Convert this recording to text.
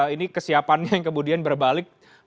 ini kesiapannya yang kemudian berbalik